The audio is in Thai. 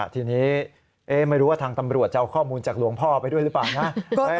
ทีนี้ไม่รู้ว่าทางตำรวจจะเอาข้อมูลจากหลวงพ่อไปด้วยหรือเปล่านะ